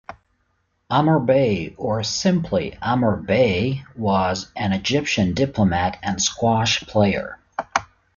Amr Bey" or simply "Amr Bey", was an Egyptian diplomat and squash player.